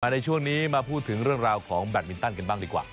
ในช่วงนี้มาพูดถึงเรื่องราวของแบตมินตันกันบ้างดีกว่า